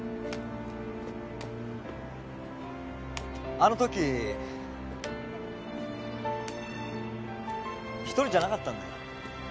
あの時一人じゃなかったんだよ